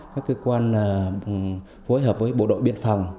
các cơ quan phối hợp với bộ đội biên phòng